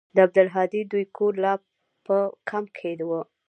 د عبدالهادي دوى کور لا په کمپ کښې و.